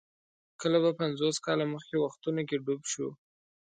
کله به پنځوس کاله مخکې وختونو کې ډوب شو.